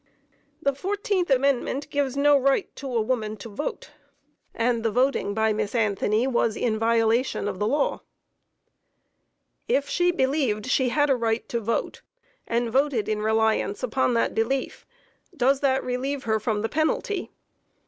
The 14th Amendment gives no right to a woman to vote, and the voting by Miss Anthony was in violation of the law. If she believed she had a right to vote, and voted in reliance upon that belief, does that relieve her from the penalty?